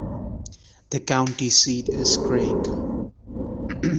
The county seat is Craig.